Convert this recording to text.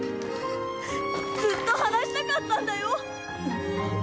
ずっと話したかったんだよ